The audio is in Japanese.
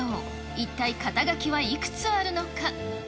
一体肩書はいくつあるのか。